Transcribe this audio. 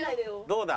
どうだ？